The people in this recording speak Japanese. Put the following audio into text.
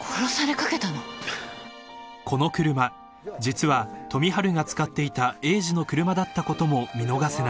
［この車実は富治が使っていた栄治の車だったことも見逃せない］